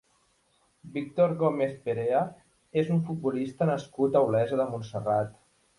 Víctor Gómez Perea és un futbolista nascut a Olesa de Montserrat.